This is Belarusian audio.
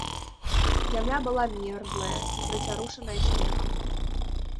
Зямля была мерзлая і прыцярушаная снегам.